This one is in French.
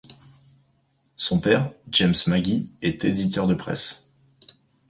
Son père, James Magie, est éditeur de presse.